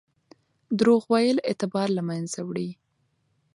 درواغ ویل اعتبار له منځه وړي.